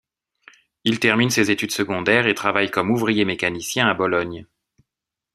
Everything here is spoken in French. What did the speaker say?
Il termine ses études secondaires et travaille comme ouvrier mécanicien à Bologne.